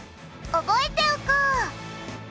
覚えておこう！